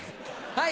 はい。